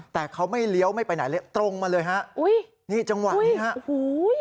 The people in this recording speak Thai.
แต่เขาไม่เลี้ยวไม่ไปไหนเลยตรงมาเลยฮะอุ้ยนี่จังหวะนี้ฮะโอ้โห